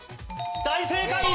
大正解！